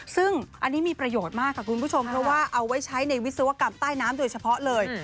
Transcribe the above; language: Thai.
ซึ่งอันนี้มีประโยชน์มากค่ะคุณผู้ชมเพราะว่าเอาไว้ใช้ในวิศวกรรมใต้น้ำโดยเฉพาะเลย